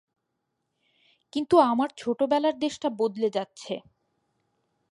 কিন্তু আমার ছোটবেলার দেশটা বদলে যাচ্ছে।